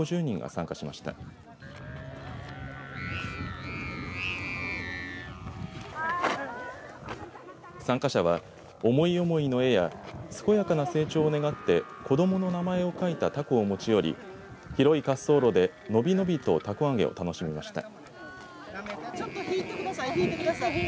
参加者は思い思いの絵や健やかな成長を願って子どもの名前を書いたたこを持ち寄り広い滑走路で伸び伸びとたこ揚げを楽しみました。